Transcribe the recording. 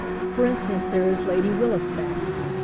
For instance, there is Lady WiUisbeck.